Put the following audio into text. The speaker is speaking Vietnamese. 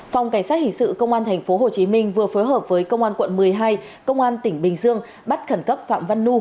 phòng cảnh sát hình sự công an tp hcm vừa phối hợp với công an quận một mươi hai công an tỉnh bình dương bắt khẩn cấp phạm văn nu